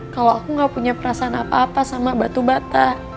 kalau aku nggak punya perasaan apa apa sama batu bata